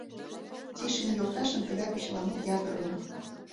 Тишин йолташын тыгай почеламут ятыр уло.